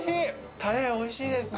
タレおいしいですね・